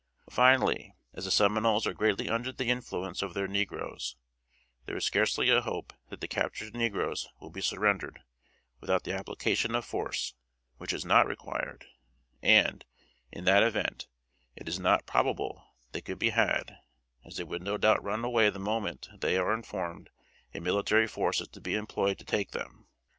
Finally, as the Seminoles are greatly under the influence of their negroes, there is scarcely a hope that the captured negroes will be surrendered without the application of force (which is not required); and, in that event, it is not probable they could be had, as they would no doubt run away the moment they are informed a military force is to be employed to take them.